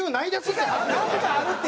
なんかあるって！